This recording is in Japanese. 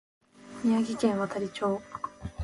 宮城県亘理町